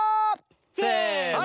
せの。